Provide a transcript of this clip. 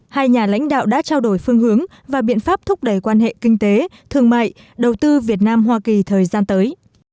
hai nhà lãnh đạo đã trao đổi phương hướng và biện pháp thúc đẩy quan hệ kinh tế thương mại đầu tư việt nam hoa kỳ thời gian tới